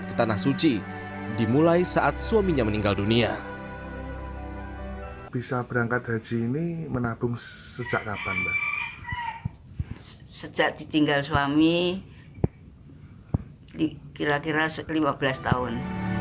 sejak ditinggal suami kira kira lima belas tahun